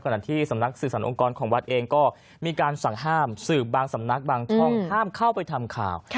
ขณะที่สำนักสื่อสารองค์กรของวัดเองก็มีการสั่งห้ามสืบบางสำนักบางช่องห้ามเข้าไปทำข่าว